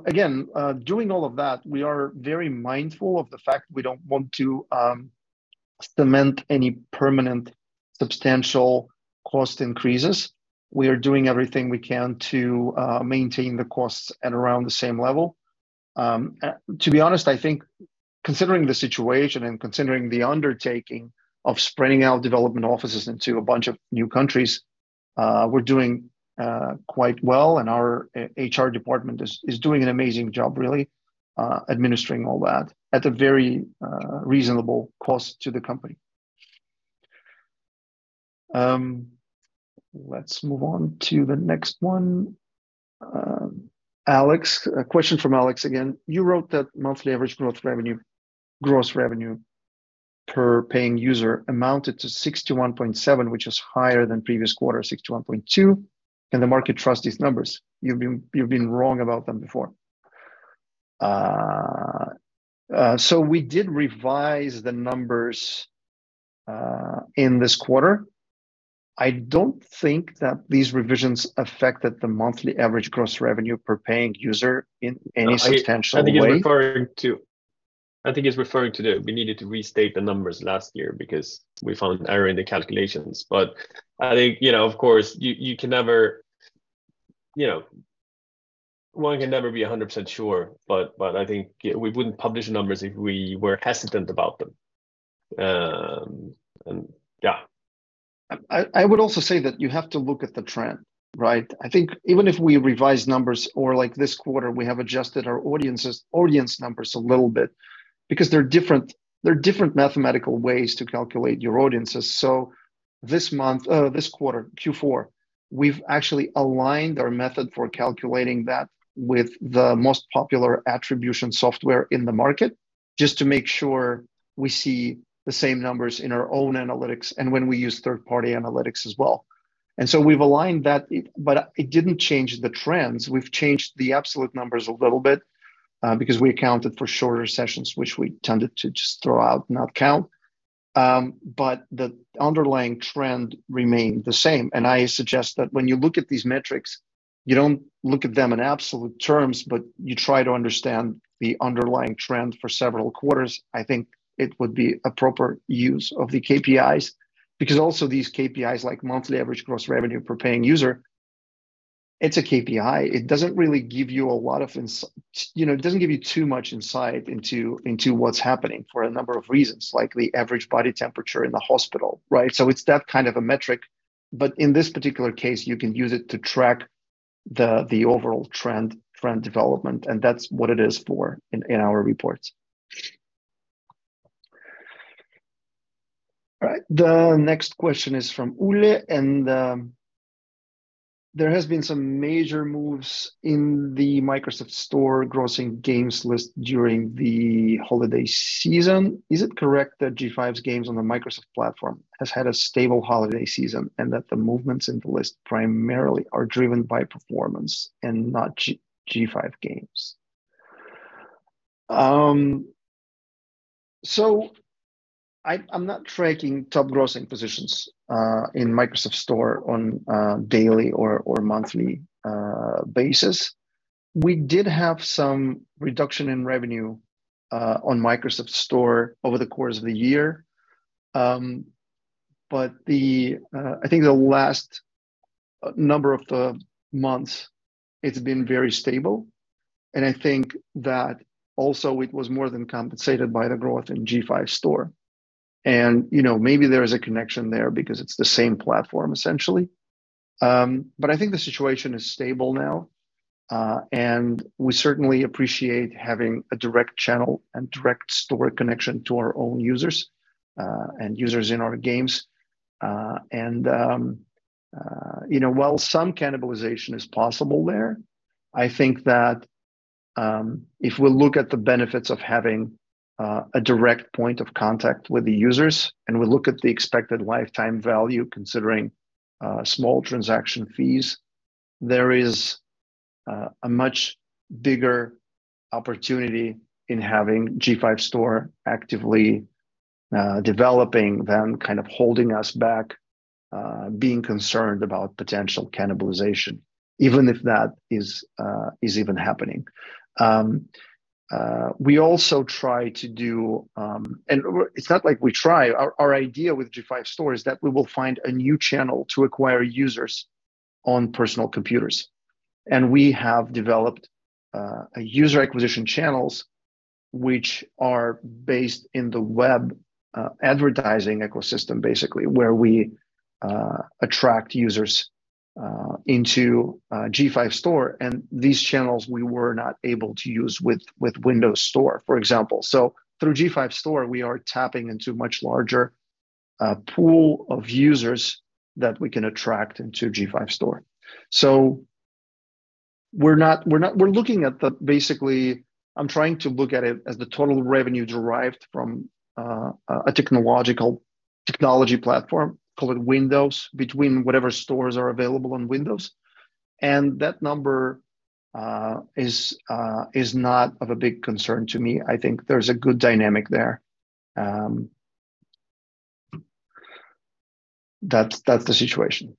Again, doing all of that, we are very mindful of the fact we don't want to cement any permanent substantial cost increases. We are doing everything we can to maintain the costs at around the same level. To be honest, I think considering the situation and considering the undertaking of spreading out development offices into a bunch of new countries, we're doing quite well, and our HR department is doing an amazing job really, administering all that at a very reasonable cost to the company. Let's move on to the next one. Alex, a question from Alex again. You wrote that monthly average growth revenue, gross revenue per paying user amounted to 61.7, which is higher than previous quarter, 61.2. Can the market trust these numbers? You've been wrong about them before. We did revise the numbers in this quarter. I don't think that these revisions affected the monthly average gross revenue per paying user in any substantial way. I think he's referring to the we needed to restate the numbers last year because we found error in the calculations. I think, you know, of course, you can never, you know, one can never be 100% sure, but I think we wouldn't publish numbers if we were hesitant about them. Yeah. I would also say that you have to look at the trend, right? I think even if we revise numbers or like this quarter, we have adjusted our audience numbers a little bit because they're different mathematical ways to calculate your audiences. This month, this quarter, Q4, we've actually aligned our method for calculating that with the most popular attribution software in the market, just to make sure we see the same numbers in our own analytics and when we use third-party analytics as well. We've aligned that, but it didn't change the trends. We've changed the absolute numbers a little bit because we accounted for shorter sessions, which we tended to just throw out and not count. But the underlying trend remained the same. I suggest that when you look at these metrics, you don't look at them in absolute terms, but you try to understand the underlying trend for several quarters. I think it would be a proper use of the KPIs because also these KPIs like monthly average gross revenue per paying user, it's a KPI. It doesn't really give you a lot of you know, it doesn't give you too much insight into what's happening for a number of reasons, like the average body temperature in the hospital, right? It's that kind of a metric. In this particular case, you can use it to track the overall trend development, and that's what it is for in our reports. All right. The next question is from Ule. There has been some major moves in the Microsoft Store grossing games list during the holiday season. Is it correct that G5's games on the Microsoft platform has had a stable holiday season and that the movements in the list primarily are driven by performance and not G5 games? I'm not tracking top grossing positions in Microsoft Store on daily or monthly basis. We did have some reduction in revenue on Microsoft Store over the course of the year. The, I think the last number of months, it's been very stable. I think that also it was more than compensated by the growth in G5 Store. You know, maybe there is a connection there because it's the same platform, essentially. I think the situation is stable now, and we certainly appreciate having a direct channel and direct store connection to our own users, and users in our games. You know, while some cannibalization is possible there, I think that if we look at the benefits of having a direct point of contact with the users, and we look at the expected lifetime value considering small transaction fees, there is a much bigger opportunity in having G5 Store actively developing than kind of holding us back, being concerned about potential cannibalization, even if that is even happening. We also try to do. It's not like we try. Our idea with G5 Store is that we will find a new channel to acquire users on personal computers. We have developed a user acquisition channels which are based in the web advertising ecosystem, basically, where we attract users into G5 Store. These channels we were not able to use with Windows Store, for example. Through G5 Store we are tapping into much larger pool of users that we can attract into G5 Store. I'm trying to look at it as the total revenue derived from a technology platform, call it Windows, between whatever stores are available on Windows. That number is not of a big concern to me. I think there's a good dynamic there. That's the situation.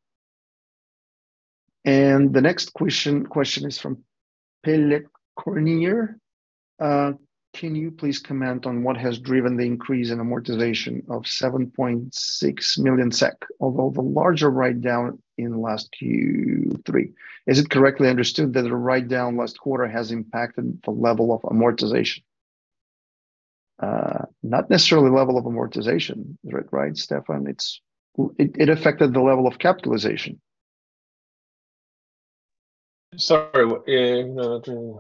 The next question is from Pelle Cornéer. Can you please comment on what has driven the increase in amortization of 7.6 million SEK over the larger write-down in the last Q3? Is it correctly understood that the write-down last quarter has impacted the level of amortization? Not necessarily level of amortization. Is that right, Stefan? It affected the level of capitalization. Sorry. No.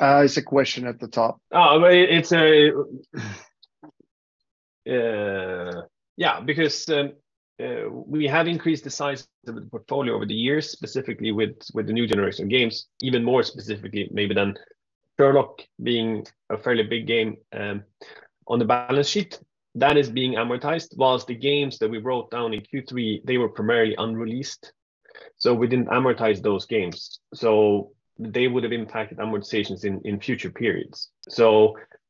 It's the question at the top. Oh, it's. Yeah, because we have increased the size of the portfolio over the years, specifically with the new generation games, even more specifically maybe than Sherlock being a fairly big game on the balance sheet. That is being amortized, whilst the games that we wrote down in Q3, they were primarily unreleased, so we didn't amortize those games, so they would have impacted amortizations in future periods.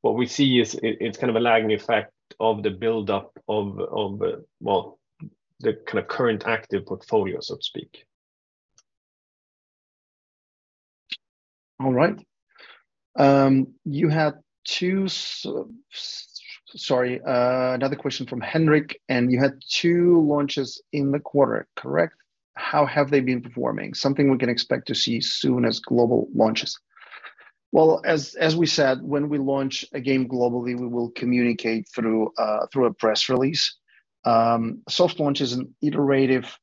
What we see is it's kind of a lagging effect of the build-up of the kind of current active portfolio, so to speak. All right. You had another question from Henrik, and you had two launches in the quarter, correct? How have they been performing? Something we can expect to see soon as global launches. Well, as we said, when we launch a game globally, we will communicate through a press release. Soft launch is an iterative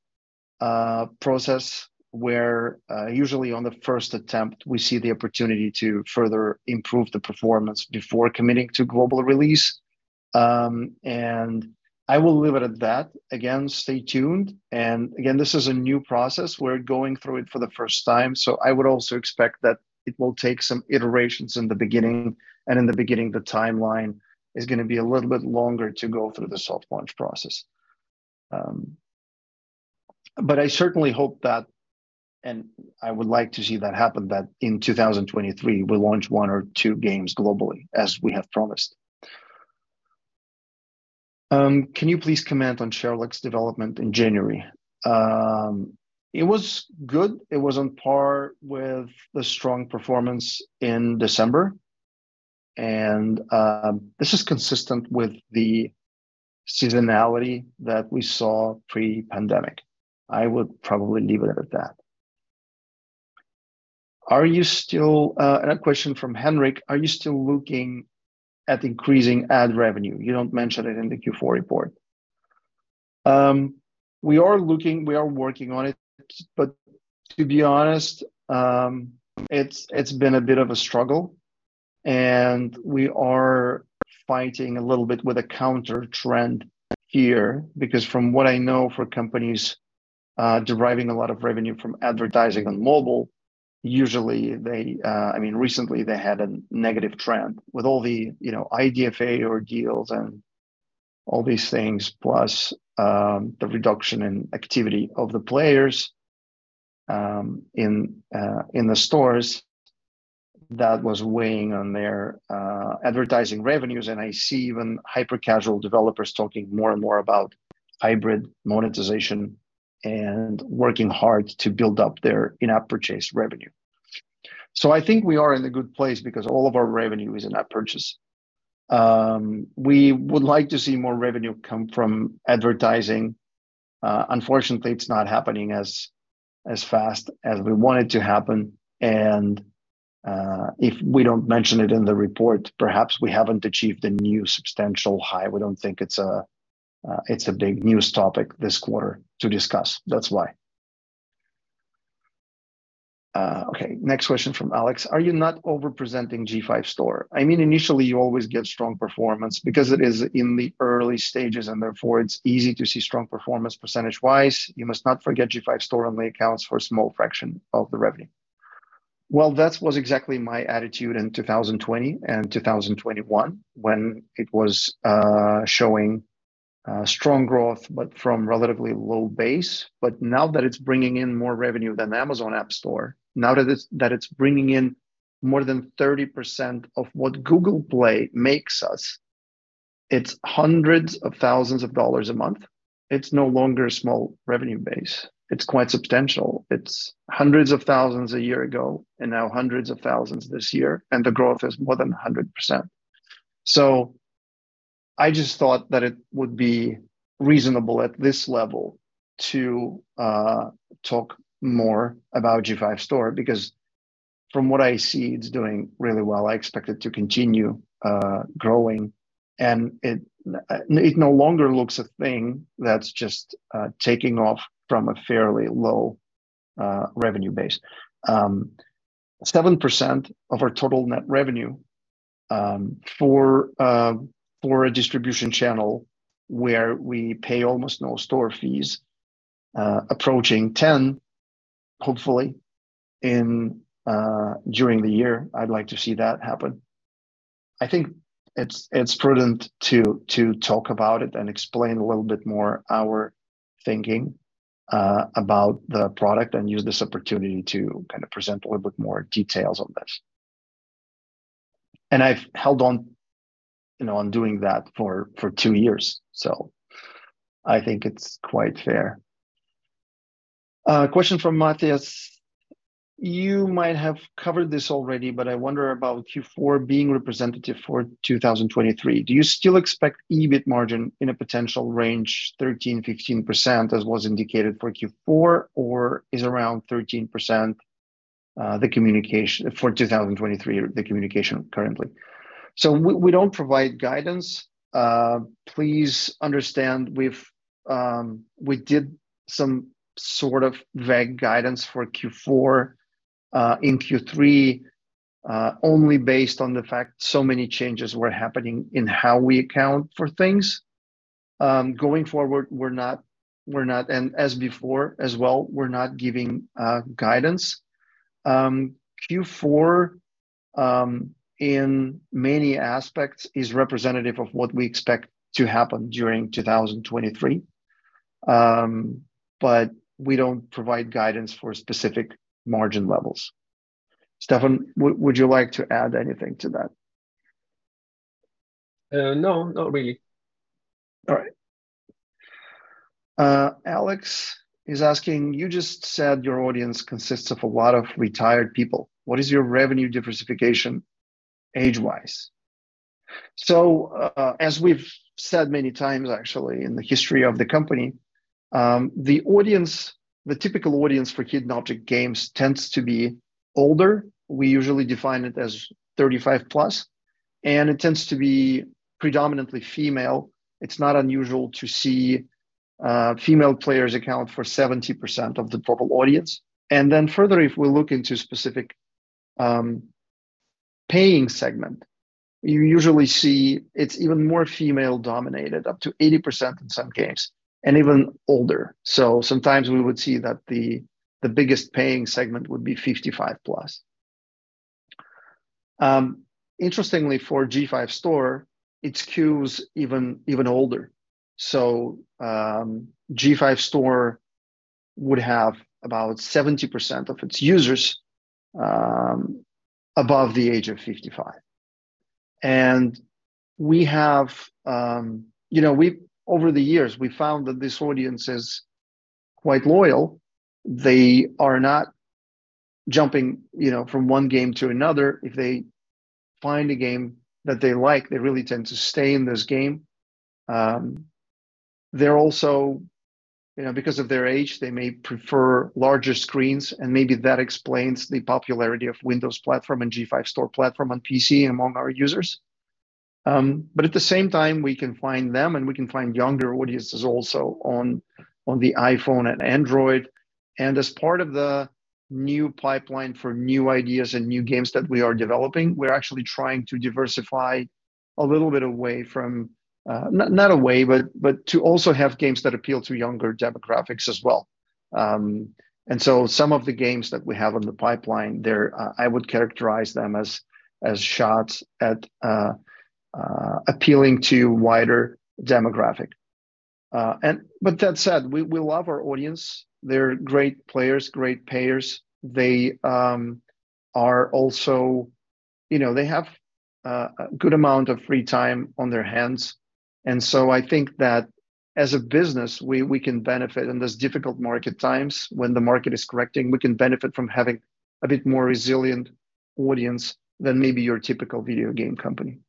process where usually on the first attempt, we see the opportunity to further improve the performance before committing to global release. I will leave it at that. Again, stay tuned. Again, this is a new process. We're going through it for the first time, so I would also expect that it will take some iterations in the beginning, and in the beginning, the timeline is gonna be a little bit longer to go through the soft launch process. I certainly hope that, and I would like to see that happen, that in 2023 we launch one or two games globally, as we have promised. Can you please comment on Sherlock's development in January? It was good. It was on par with the strong performance in December, this is consistent with the seasonality that we saw pre-pandemic. I would probably leave it at that. A question from Henrik: Are you still looking at increasing ad revenue? You don't mention it in the Q4 report. We are looking, we are working on it, to be honest, it's been a bit of a struggle, we are fighting a little bit with a counter-trend here. Because from what I know for companies, deriving a lot of revenue from advertising on mobile, usually they, I mean, recently they had a negative trend with all the, you know, IDFA ordeals and all these things, plus, the reduction in activity of the players, in the stores that was weighing on their advertising revenues. I see even hyper-casual developers talking more and more about hybrid monetization and working hard to build up their in-app purchase revenue. I think we are in a good place because all of our revenue is in-app purchase. We would like to see more revenue come from advertising. Unfortunately, it's not happening as fast as we want it to happen. If we don't mention it in the report, perhaps we haven't achieved a new substantial high. We don't think it's a big news topic this quarter to discuss. That's why. Okay, next question from Alex: Are you not over-presenting G5 Store? I mean, initially you always get strong performance because it is in the early stages, and therefore it's easy to see strong performance percentage-wise. You must not forget G5 Store only accounts for a small fraction of the revenue. Well, that was exactly my attitude in 2020 and 2021 when it was showing strong growth, but from relatively low base. Now that it's bringing in more revenue than Amazon Appstore, now that it's bringing in more than 30% of what Google Play makes us, it's hundreds of thousands of dollars a month. It's no longer a small revenue base. It's quite substantial. It's hundreds of thousands a year ago, and now hundreds of thousands this year, and the growth is more than 100%. I just thought that it would be reasonable at this level to talk more about G5 Store because from what I see, it's doing really well. I expect it to continue growing, and it no longer looks a thing that's just taking off from a fairly low revenue base. 7% of our total net revenue for a distribution channel where we pay almost no store fees, approaching 10, hopefully, during the year. I'd like to see that happen. I think it's prudent to talk about it and explain a little bit more our thinking about the product and use this opportunity to kind of present a little bit more details on this. I've held on, you know, on doing that for two years, so I think it's quite fair. A question from Matthias. You might have covered this already, I wonder about Q4 being representative for 2023. Do you still expect EBIT margin in a potential range, 13%-15%, as was indicated for Q4, or is around 13% the communication for 2023, the communication currently? We, we don't provide guidance. Please understand we've, we did some sort of vague guidance for Q4 in Q3 only based on the fact so many changes were happening in how we account for things. Going forward, we're not and as before as well, we're not giving guidance. Q4 in many aspects is representative of what we expect to happen during 2023. We don't provide guidance for specific margin levels. Stefan, would you like to add anything to that? No, not really. All right. Alex is asking, you just said your audience consists of a lot of retired people. What is your revenue diversification age-wise? As we've said many times actually in the history of the company, the audience, the typical audience for Hidden Object games tends to be older. We usually define it as 35+, and it tends to be predominantly female. It's not unusual to see female players account 70% of the total audience. Further, if we look into specific paying segment, you usually see it's even more female-dominated, up to 80% in some games, and even older. Sometimes we would see that the biggest paying segment would be 55+. Interestingly, for G5 Store, it skews even older. G5 Store would have about 70% of its users above the age of 55. We have, you know, over the years, we found that this audience is quite loyal. They are not jumping, you know, from one game to another. If they find a game that they like, they really tend to stay in this game. They're also, you know, because of their age, they may prefer larger screens, and maybe that explains the popularity of Windows platform and G5 Store platform on PC among our users. At the same time, we can find them, and we can find younger audiences also on the iPhone and Android. As part of the new pipeline for new ideas and new games that we are developing, we're actually trying to diversify a little bit away from not away, but to also have games that appeal to younger demographics as well. Some of the games that we have on the pipeline there, I would characterize them as shots at appealing to wider demographic. With that said, we love our audience. They're great players, great payers. They are also, you know, they have a good amount of free time on their hands. I think that as a business, we can benefit in this difficult market times. When the market is correcting, we can benefit from having a bit more resilient audience than maybe your typical video game company.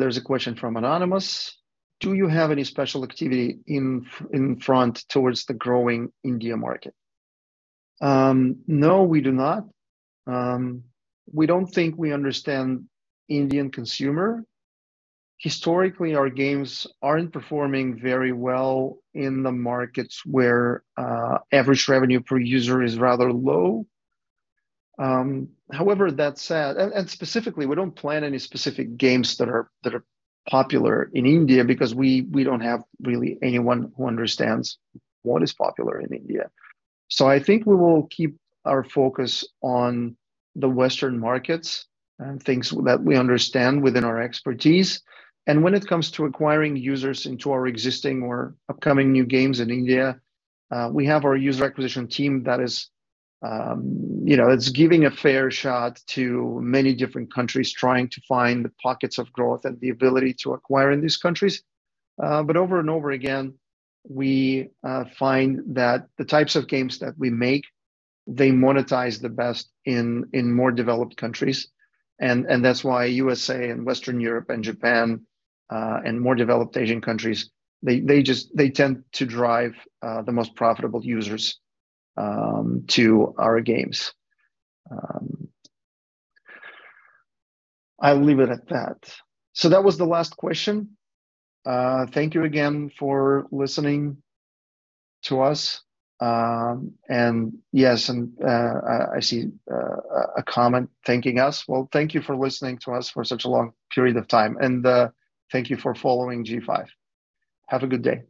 There's a question from anonymous. Do you have any special activity in front towards the growing India market? No, we do not. We don't think we understand Indian consumer. Historically, our games aren't performing very well in the markets where average revenue per user is rather low. However, that said, and specifically, we don't plan any specific games that are popular in India because we don't have really anyone who understands what is popular in India. I think we will keep our focus on the Western markets and things that we understand within our expertise. When it comes to acquiring users into our existing or upcoming new games in India, we have our user acquisition team that is, you know, it's giving a fair shot to many different countries trying to find the pockets of growth and the ability to acquire in these countries. Over and over again, we find that the types of games that we make, they monetize the best in more developed countries. That's why USA and Western Europe and Japan, and more developed Asian countries, they just, they tend to drive the most profitable users to our games. I'll leave it at that. That was the last question. Thank you again for listening to us. Yes, I see a comment thanking us. Well, thank you for listening to us for such a long period of time. Thank you for following G5. Have a good day.